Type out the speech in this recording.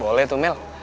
boleh tuh mel